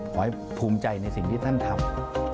ภูมิใจในสิ่งที่ท่านทำ